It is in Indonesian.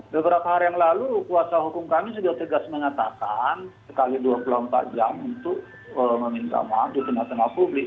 beberapa hari yang lalu kuasa hukum kami sudah tegas mengatakan sekali dua puluh empat jam untuk meminta maaf di tengah tengah publik